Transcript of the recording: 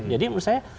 jadi menurut saya